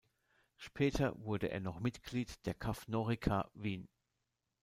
Später wurde er noch Mitglied der KaV Norica Wien.